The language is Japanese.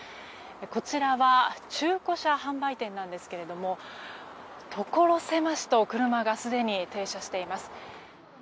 こちらは中古車販売店なんですけどもところ狭しと車がすでに停車しています。